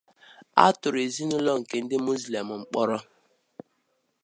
A muslim family was arrested.